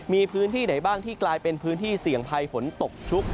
มีพื้นที่ไหนบ้างที่กลายเป็นพื้นที่เสี่ยงภัยฝนตกชุก